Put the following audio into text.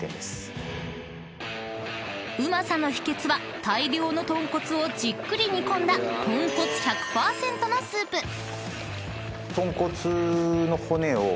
［うまさの秘訣は大量の豚骨をじっくり煮込んだ豚骨１００％のスープ］